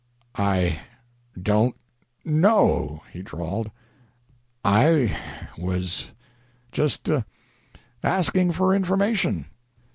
"I don't know," he drawled. "I was just asking for information."